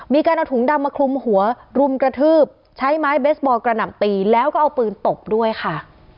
มีการเอาถุงดำมาคลุมหัวรุมกระทืบใช้ไม้เบสบอลกระหน่ำตีแล้วก็เอาปืนตบด้วยค่ะ